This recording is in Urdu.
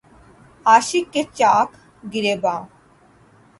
عاشق کے چاک گریباں